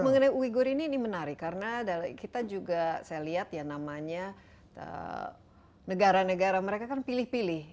mengenai uyghur ini ini menarik karena kita juga saya lihat ya namanya negara negara mereka kan pilih pilih